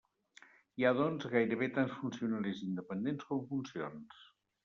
Hi ha, doncs, gairebé tants funcionaris independents com funcions.